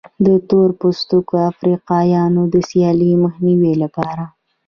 د تور پوستو افریقایانو د سیالۍ د مخنیوي لپاره.